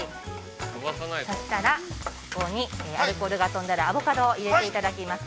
そしたら、そこにアルコールが飛んだら、アボカドを入れていただきます。